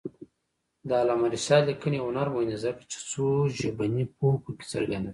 د علامه رشاد لیکنی هنر مهم دی ځکه چې څوژبني پوهه پکې څرګنده ده.